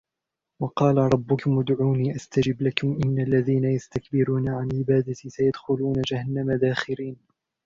وَقَالَ رَبُّكُمُ ادْعُونِي أَسْتَجِبْ لَكُمْ إِنَّ الَّذِينَ يَسْتَكْبِرُونَ عَنْ عِبَادَتِي سَيَدْخُلُونَ جَهَنَّمَ دَاخِرِينَ